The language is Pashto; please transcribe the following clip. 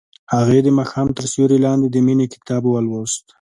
هغې د ماښام تر سیوري لاندې د مینې کتاب ولوست.